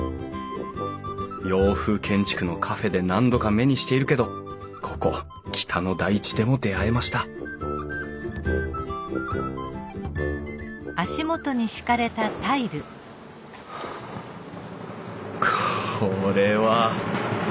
洋風建築のカフェで何度か目にしているけどここ北の大地でも出会えましたこれは！